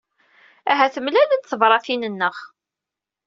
Ahat mlalent tebṛatin-nneɣ.